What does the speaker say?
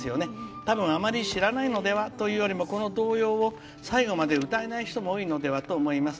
たぶんあまり知らないのでは？というより、この童謡を最後まで歌えない人も多いのではと思います。